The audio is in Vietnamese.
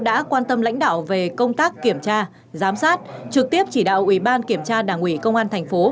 đã quan tâm lãnh đạo về công tác kiểm tra giám sát trực tiếp chỉ đạo ủy ban kiểm tra đảng ủy công an thành phố